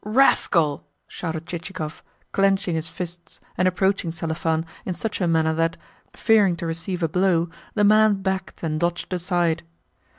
"Rascal!" shouted Chichikov, clenching his fists and approaching Selifan in such a manner that, fearing to receive a blow, the man backed and dodged aside.